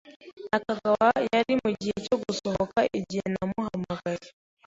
Nakagawa yari mugihe cyo gusohoka igihe namuhamagaye.